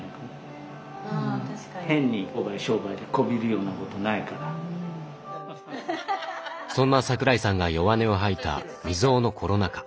変に商売でそんな桜井さんが弱音を吐いた未曽有のコロナ禍。